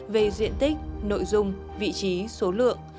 về diện tích nội dung vị trí số lượng